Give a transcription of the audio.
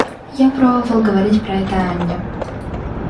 Я пробовал говорить про это Анне.